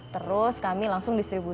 terus kami langsung disediakan